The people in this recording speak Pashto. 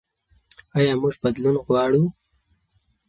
ایا موږ بدلون غواړو؟